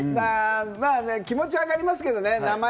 気持ちはわかりますけどね。